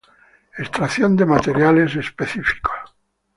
Extracción de materiales específicos.